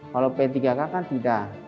kalau p tiga k kan tidak